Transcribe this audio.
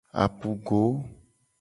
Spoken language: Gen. Apugo.